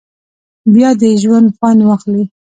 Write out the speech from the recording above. بیا به د ژونده خوند واخلی.